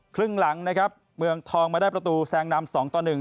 ครึ่งหลังนะครับเมืองทองมาได้ประตูแสงนำ๒ตอน๑